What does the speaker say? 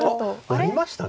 やりました。